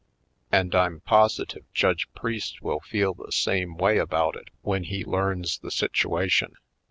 And I'm positive Judge Priest will feel the same way about it when he learns the situation.